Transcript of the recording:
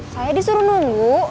saya disuruh nunggu